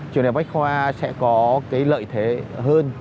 trường đại học bách khoa sẽ có cái lợi thế hơn